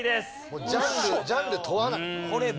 もうジャンルジャンル問わない。